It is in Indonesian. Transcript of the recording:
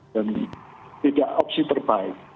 dan tidak opsi terbaik